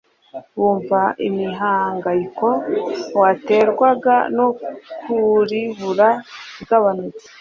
Wumva Imihangayiko Waterwaga No Kuribura Igabanutse